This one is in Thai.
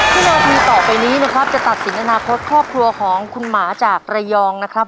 วินาทีต่อไปนี้นะครับจะตัดสินอนาคตครอบครัวของคุณหมาจากระยองนะครับ